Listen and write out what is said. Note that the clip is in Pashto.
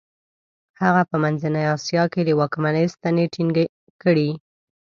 هغه په منځنۍ اسیا کې د واکمنۍ ستنې ټینګې کړې.